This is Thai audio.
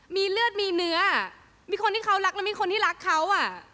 มีเลือดมีเนื้อมีคนที่เขารักแล้วมีคนที่รักเขาอ่ะ